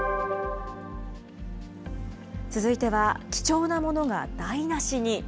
続いては貴重なものが台なしに。